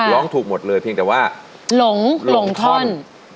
ร้องถูกหมดเลยเพียงแต่ว่าหลงท่อน